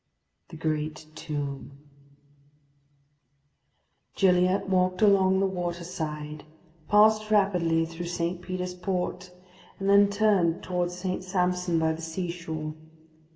V THE GREAT TOMB Gilliatt walked along the water side, passed rapidly through St. Peter's Port, and then turned towards St. Sampson by the seashore.